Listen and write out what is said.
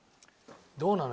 どうなの？